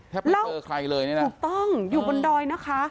ไม่เจอใครเลยเนี่ยนะถูกต้องอยู่บนดอยนะคะ